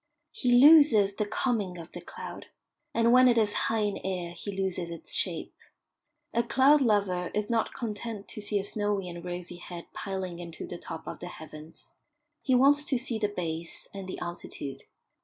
He loses the coming of the cloud, and when it is high in air he loses its shape. A cloud lover is not content to see a snowy and rosy head piling into the top of the heavens; he wants to see the base and the altitude.